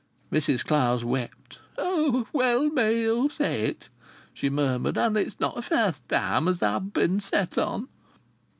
Mrs Clowes wept. "Well may you say it!" she murmured. "And it's not the first time as I've been set on!"